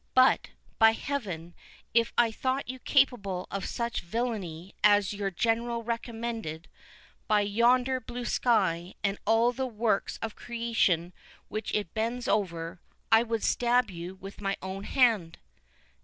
But, by Heaven, if I thought you capable of such villany as your General recommended,—by yonder blue sky, and all the works of creation which it bends over, I would stab you with my own hand!"